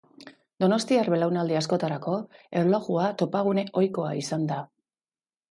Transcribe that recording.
Donostiar belaunaldi askotarako erlojua topagune ohikoa izan da.